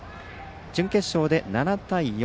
準決勝で７対４。